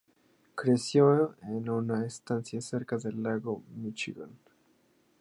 Creció en una estancia cerca del Lago Míchigan.